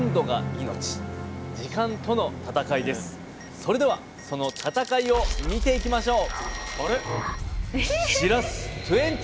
それではその戦いを見ていきましょう！